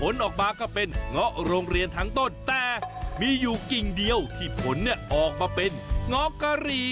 ผลออกมาก็เป็นเงาะโรงเรียนทั้งต้นแต่มีอยู่กิ่งเดียวที่ผลเนี่ยออกมาเป็นเงาะกะหรี่